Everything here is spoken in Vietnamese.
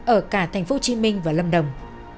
ở cả thành phố hồ chí minh và lâm đồng